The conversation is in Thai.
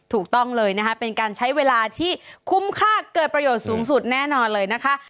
ถูกต้องเลยนะคะเป็นการใช้เวลาที่คุ้มค่าเกิดประโยชน์สูงสุดแน่นอนเลยนะคะ